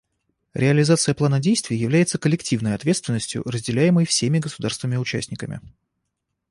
Реализация плана действий является коллективной ответственностью, разделяемой всеми государствами-участниками.